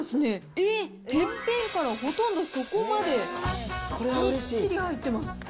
えっ、てっぺんからほとんど底まで、ぎっしり入ってます。